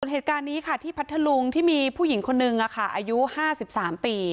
ส่วนเหตุการณ์นี้ค่ะที่พัทรลุงที่มีผู้หญิงคนหนึ่งอ่ะค่ะอายุห้าสิบสามปี